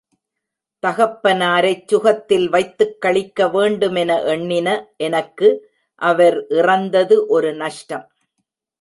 தகப்பனாரைச் சுகத்தில் வைத்துக் களிக்க வேண்டுமென எண்ணின எனக்கு அவர் இறந்தது ஒரு நஷ்டம்.